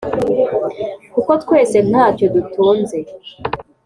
Kuko twese ntacyo dutunze